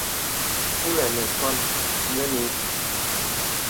Kūlə̀ nə̀ kol bə̄nē itē.